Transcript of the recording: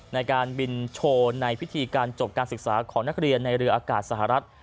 ในการบินโชว์ในพิธีการจบการศึกษาของนักเรียนในเรืออากาศสหรัฐ